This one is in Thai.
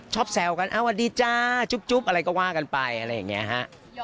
แซวกันสวัสดีจ้าจุ๊บอะไรก็ว่ากันไปอะไรอย่างนี้ฮะ